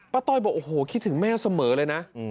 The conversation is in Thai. ต้อยบอกโอ้โหคิดถึงแม่เสมอเลยนะ